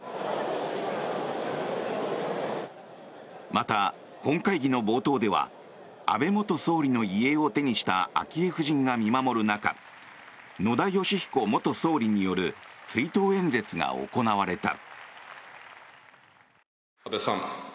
また、本会議の冒頭では安倍元総理の遺影を手にした昭恵夫人が見守る中野田佳彦元総理による追悼演説が行われた。